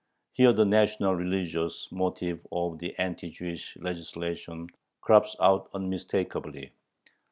Here the national religious motive of the anti Jewish legislation crops out unmistakably.